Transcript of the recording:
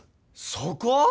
そこ！？